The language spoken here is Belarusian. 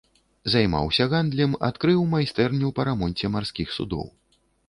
Займаўся гандлем, адкрыў майстэрню па рамонце марскіх судоў.